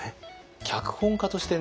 脚本家としてね